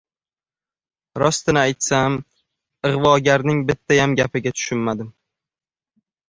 Rostini aytsam, ig‘vogarning bittayam gapiga tushunmadim.